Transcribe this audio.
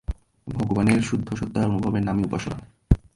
ভগবানের শুদ্ধসত্তার অনুভবের নামই উপাসনা।